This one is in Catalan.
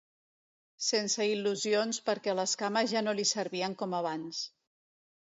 Sense il·lusions perquè les cames ja no li servien com abans.